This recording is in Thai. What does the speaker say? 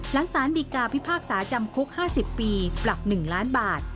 สารดีกาพิพากษาจำคุก๕๐ปีปรับ๑ล้านบาท